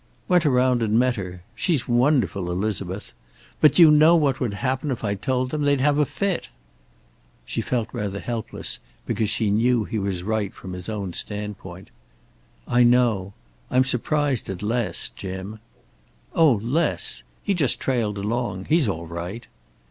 "Went around and met her. She's wonderful, Elizabeth. But do you know what would happen if I told them? They'd have a fit." She felt rather helpless, because she knew he was right from his own standpoint. "I know. I'm surprised at Les, Jim." "Oh, Les! He just trailed along. He's all right."